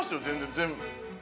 全然、全部。